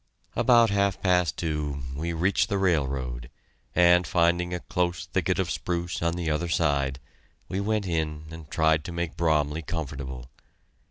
About half past two we reached the railroad, and finding a close thicket of spruce on the other side, we went in and tried to make Bromley comfortable.